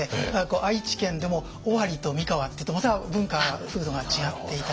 愛知県でも尾張と三河っていうとまた文化風土が違っていたりですね。